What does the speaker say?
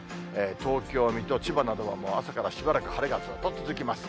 東京、水戸、千葉などはもう朝からしばらく晴れがずっと続きます。